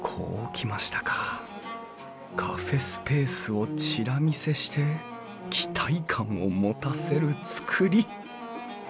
カフェスペースをチラ見せして期待感を持たせる造り。